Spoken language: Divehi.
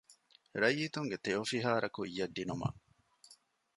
ރައްޔިތުންގެ ތެޔޮފިހާރަ ކުއްޔަށް ދިނުމަށް